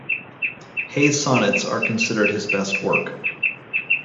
Hayne's sonnets are considered his best work.